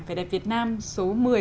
phải đẹp việt nam số một mươi